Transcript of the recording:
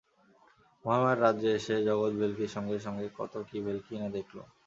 মহামায়ার রাজ্যে এসে জগৎ-ভেল্কির সঙ্গে সঙ্গে কত কি ভেল্কিই না দেখলুম।